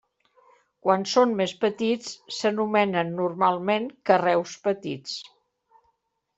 Quan són més petits, s'anomenen normalment carreus petits.